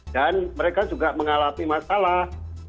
dan mereka juga mengalami masalah